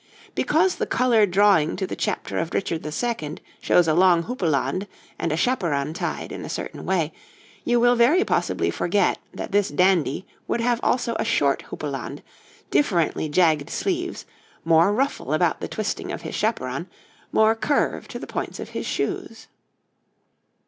Because the coloured drawing to the chapter of Richard II. shows a long houppelande and a chaperon tied in a certain way, you will very possibly forget that this dandy would have also a short houppelande, differently jagged sleeves, more ruffle about the twisting of his chaperon, more curve to the points of his shoes.